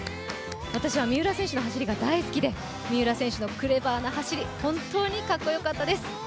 私は三浦選手の走りが大好きで三浦選手のクレバーな走り、本当にかっこよかったです。